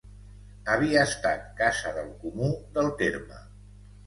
Havia estat Casa del comú del terme.